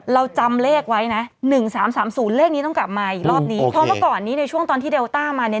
เราจำเลขไว้นะหนึ่งสามสามศูนย์เลขนี้ต้องกลับมาอีกรอบนี้เพราะเมื่อก่อนนี้ในช่วงตอนที่เดลต้ามาเนี่ย